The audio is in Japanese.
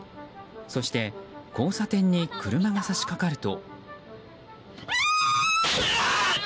そして交差点に車が差し掛かると。